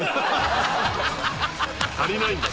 足りないんだ。